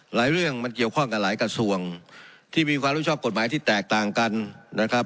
เรื่องมันเกี่ยวข้องกับหลายกระทรวงที่มีความรู้ชอบกฎหมายที่แตกต่างกันนะครับ